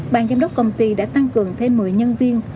ban giám đốc công ty đã tăng cường thêm một mươi nhân viên